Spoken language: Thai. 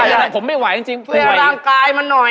อย่าผมไม่ไหวจริงป่วยช่วยอาการกายมาหน่อย